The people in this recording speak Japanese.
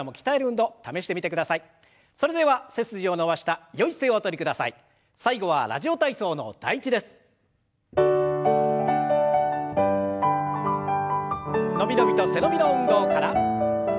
伸び伸びと背伸びの運動から。